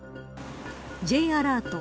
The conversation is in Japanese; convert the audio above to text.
Ｊアラート